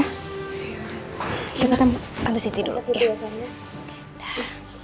shiva tem bantu siti dulu ya